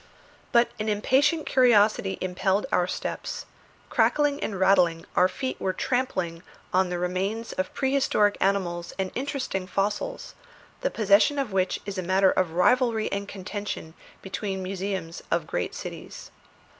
But an impatient curiosity impelled our steps; crackling and rattling, our feet were trampling on the remains of prehistoric animals and interesting fossils, the possession of which is a matter of rivalry and contention between the museums of great cities.